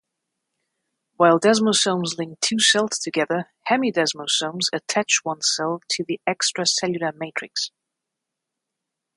While desmosomes link two cells together, hemidesmosomes attach one cell to the extracellular matrix.